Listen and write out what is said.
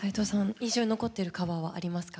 印象に残ってるカバーはありますか？